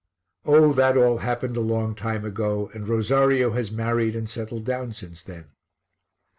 "Oh, that all happened a long time ago and Rosario has married and settled down since then."